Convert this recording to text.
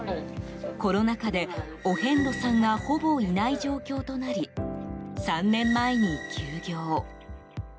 コロナ禍でお遍路さんがほぼいない状況となり３年前に休業。